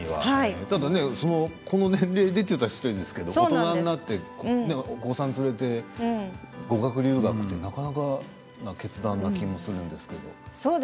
この年齢でと言ったら失礼ですけれども大人になってお子さんを連れて語学留学というのはなかなか決断の気もするんですけれども。